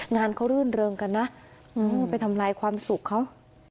งานเขารื่นเริงกันนะไปทำลายความสุขเขา